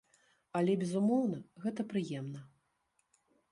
Але, безумоўна, гэта прыемна!